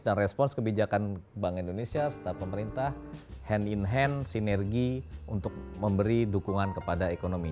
dan respons kebijakan bank indonesia setelah pemerintah hand in hand sinergi untuk memberi dukungan kepada ekonomi